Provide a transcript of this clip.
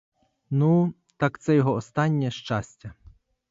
Ну, так це його останнє щастя.